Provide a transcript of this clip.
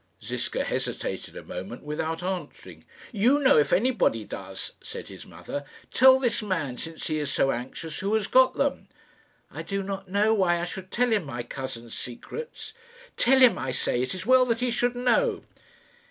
Ziska hesitated a moment without answering. "You know, if anybody does," said his mother; "tell this man, since he is so anxious, who has got them." "I do not know why I should tell him my cousin's secrets." "Tell him, I say. It is well that he should know."